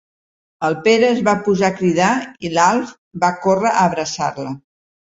El Pere es va posar a cridar i l'Alf va córrer a abraçar-la.